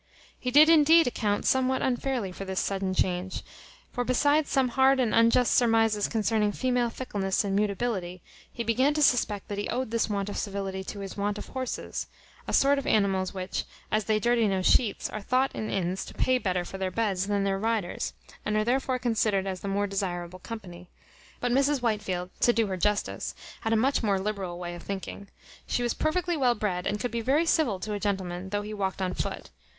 He did indeed account somewhat unfairly for this sudden change; for besides some hard and unjust surmises concerning female fickleness and mutability, he began to suspect that he owed this want of civility to his want of horses; a sort of animals which, as they dirty no sheets, are thought in inns to pay better for their beds than their riders, and are therefore considered as the more desirable company; but Mrs Whitefield, to do her justice, had a much more liberal way of thinking. She was perfectly well bred, and could be very civil to a gentleman, though he walked on foot.